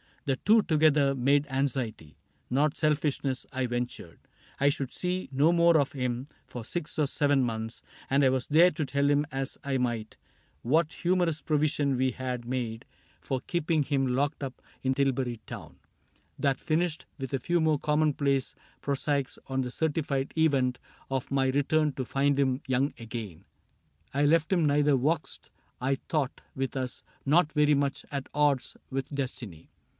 The two together made anxiety — Not selfishness, I ventured. I should see No more of him for six or seven months. And I was there to tell him as I might What humorous provision we had made CAPTAIN CRAIG 15 For keeping him locked up in Tilbury Town. That finished — with a few more commonplace Prosaics on the certified event Of my return to find him young again — I left him neither vexed, I thought, with us, Nor very much at odds with destiny.